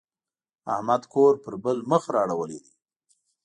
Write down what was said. احمد کور پر بل مخ را اړولی دی.